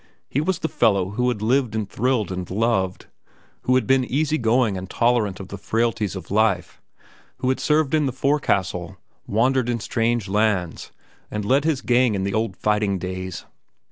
He was the fellow who had lived and thrilled and loved; who had been easy going and tolerant of the frailties of life; who had served in the forecastle, wandered in strange lands, and led his gang in the old fighting days.